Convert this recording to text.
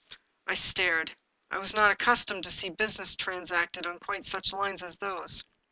I stared; I was not accustomed to see business trans acted on quite such lines as those.